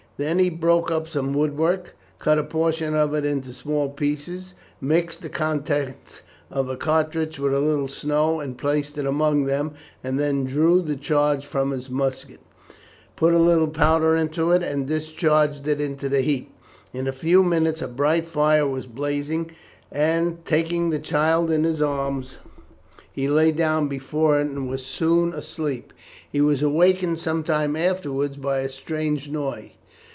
Then he broke up some woodwork, cut a portion of it into small pieces, mixed the contents of a cartridge with a little snow and placed it among them, and then drew the charge from his musket, put a little powder into it, and discharged it into the heap. In a few minutes a bright fire was blazing, and taking the child in his arms, he lay down before it, and was soon asleep. He was awakened some time afterwards by a strange noise.